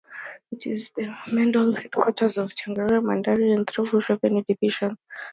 It is the mandal headquarters of Chandragiri mandal in Tirupati revenue division.